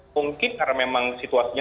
mungkin karena memang situasinya